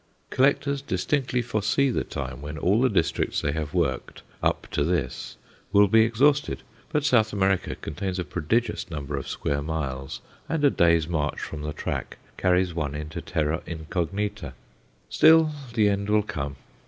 Collectors distinctly foresee the time when all the districts they have "worked" up to this will be exhausted. But South America contains a prodigious number of square miles, and a day's march from the track carries one into terra incognita. Still, the end will come.